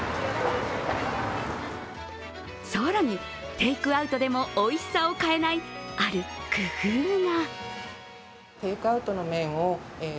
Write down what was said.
更に、テイクアウトでもおいしさを変えない、ある工夫が。